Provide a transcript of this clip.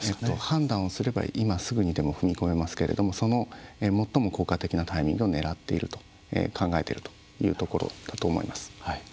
判断をすれば今すぐにでも踏み込めますがその最も効果的なタイミングを狙っていると考えているというところだと思います。